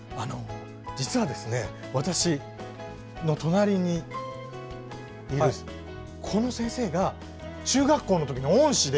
実は、私の隣にいるこの先生が、中学校の時の恩師で。